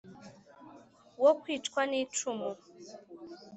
w o kicwa n' icumu